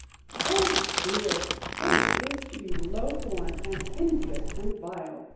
Oh dear, what it is to be low born, and envious, and vile!